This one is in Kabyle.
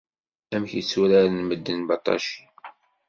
Amek i ttutaren medden baṭaci?